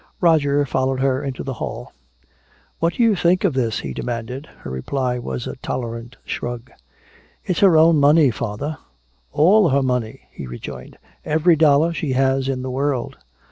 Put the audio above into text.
Roger followed her into the hall. "What do you think of this?" he demanded. Her reply was a tolerant shrug. "It's her own money, father " "All her money!" he rejoined. "Every dollar she has in the world!"